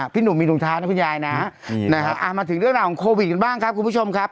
พี่หนุ่มมีถุงเท้านะคุณยายนะมาถึงเรื่องราวของโควิดกันบ้างครับคุณผู้ชมครับ